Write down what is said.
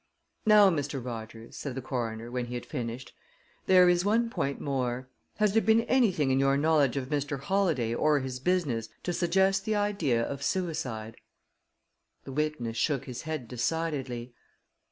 "Now, Mr. Rogers," said the coroner, when he had finished, "there is one point more. Has there been anything in your knowledge of Mr. Holladay or his business to suggest the idea of suicide?" The witness shook his head decidedly.